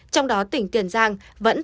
trong đó tỉnh tiền giang vẫn